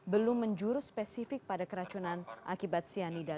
belum menjuru spesifik pada keracunan akibat cyanida